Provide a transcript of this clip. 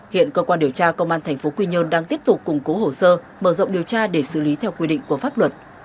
hiện cơ quan điều tra công an tp quy nhơn đang tiếp tục củng cố hồ sơ mở rộng điều tra để xử lý theo quy định của pháp luật